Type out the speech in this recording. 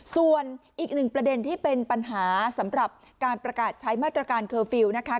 ส่วนอีกหนึ่งประเด็นที่เป็นปัญหาสำหรับการประกาศใช้มาตรการเคอร์ฟิลล์นะคะ